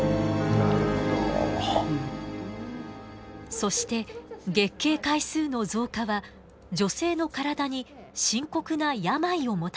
そして月経回数の増加は女性の体に深刻な病をもたらしています。